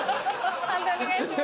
判定お願いします。